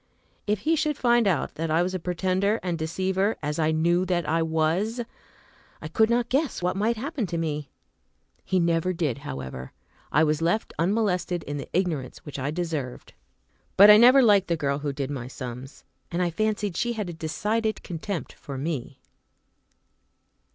If he should find out that I was a pretender and deceiver, as I knew that I was, I could not guess what might happen to me. He never did, however. I was left unmolested in the ignorance which I deserved. But I never liked the girl who did my sums, and I fancied she had a decided contempt for me.